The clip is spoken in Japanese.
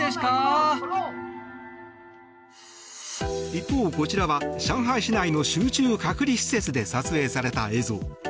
一方、こちらは上海市内の集中隔離施設で撮影された映像。